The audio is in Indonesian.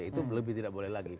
itu lebih tidak boleh lagi